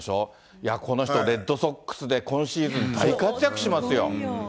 いや、この人、レッドソックスで今シーズン大活躍しますよ。